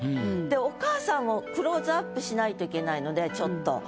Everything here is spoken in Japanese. でお母さんをクローズアップしないといけないのでちょっと。